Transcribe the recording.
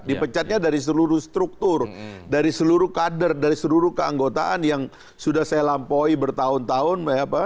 dipecatnya dari seluruh struktur dari seluruh kader dari seluruh keanggotaan yang sudah saya lampaui bertahun tahun